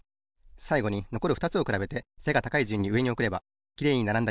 さいごにのこるふたつをくらべて背が高いじゅんにうえにおくればきれいにならんだ